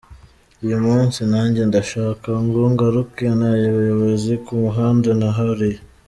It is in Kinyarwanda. Uyu munsi nanjye ndashaka ngo ngaruke ntayoboza ku muhanda naharuye.